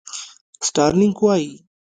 سټارلېنک وایي.